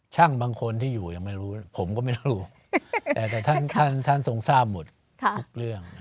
ช่างบางคนที่อยู่ยังไม่รู้ผมก็ไม่รู้แต่ท่านทรงทราบหมดทุกเรื่อง